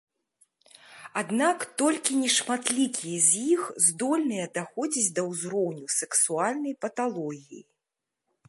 Аднак толькі нешматлікія з іх здольныя даходзіць да ўзроўню сексуальнай паталогіі.